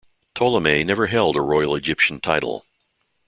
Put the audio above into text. Ptolemy never held a royal Egyptian title.